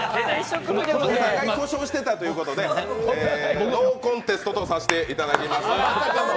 故障ということでノーコンテストとさせていただきます。